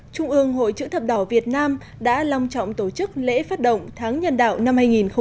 trung ương hội chữ thập đỏ việt nam đã long trọng tổ chức lễ phát động tháng nhân đạo năm hai nghìn hai mươi